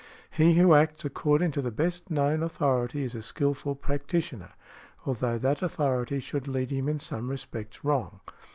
He who acts according to the best known authority is a skilful practitioner, although that authority should lead him in some respects wrong.